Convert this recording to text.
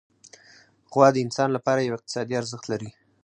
غوا د انسان لپاره یو اقتصادي ارزښت لري.